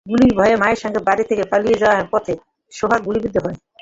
গুলির ভয়ে মায়ের সঙ্গে বাড়ি থেকে পালিয়ে যাওয়ার পথে সোহাগ গুলিবিদ্ধ হয়।